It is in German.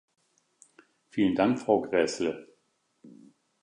Vielen Dank, Frau Gräßle!